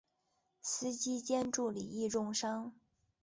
司机兼助理亦重伤。